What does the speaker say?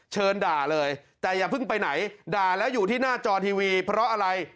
เชิญด่าเลยแต่อย่าเพิ่งไปไหนด่าแล้วอยู่ที่หน้าจอทีวีเพราะอะไร